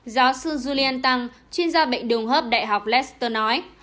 giáo sư julian tang chuyên gia bệnh đường hợp đại học leicester nói